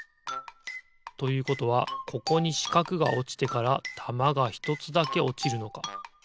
ということはここにしかくがおちてからたまがひとつだけおちるのか。